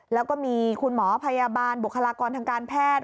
แล้วก็มีคุณหมอพยาบาลบุคลากรทางการแพทย์